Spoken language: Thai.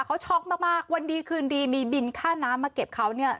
เขาช็อกมากวันดีคืนดีมีบินค่าน้ำมาเก็บเขาเนี่ย